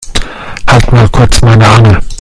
Halt mal kurz meine Angel.